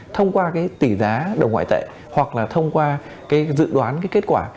thông qua tỷ giá đầu ngoại tệ hoặc là thông qua dự đoán kết quả